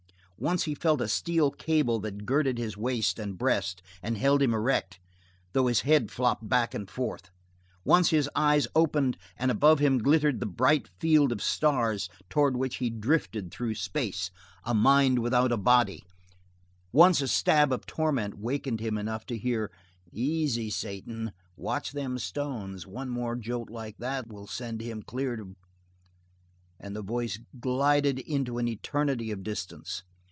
Once he felt a steel cable that girdled his waist and breast and held him erect, though his head flopped back and forth; once his eyes opened and above him glittered the bright field of stars towards which he drifted through space, a mind without a body; once a stab of torment wakened him enough to hear: "Easy Satan; watch them stones. One more jolt like that will send him clear to " And the voice glided into an eternity of distance.